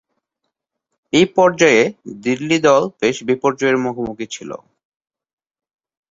এ পর্যায়ে দিল্লি দল বেশ বিপর্যয়ের মুখোমুখি ছিল।